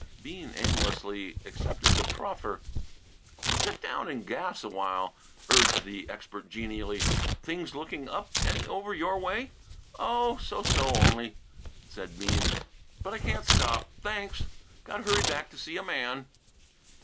Bean aimlessly accepted the proffer. "Sit down and gas a while," urged the expert genially. "Things looking up any over your way?" "Oh, so so, only," said Bean. "But I can't stop, thanks! Got to hurry back to see a man."